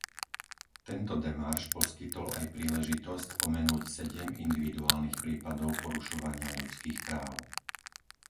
Tento demarš poskytol aj príležitosť spomenúť sedem individuálnych prípadov porušovania ľudských práv.